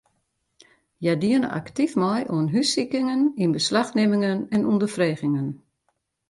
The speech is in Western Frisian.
Hja diene aktyf mei oan hússikingen, ynbeslachnimmingen en ûnderfregingen.